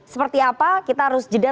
seperti apa kita harus jeda